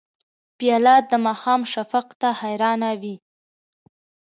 پیاله د ماښام شفق ته حیرانه وي.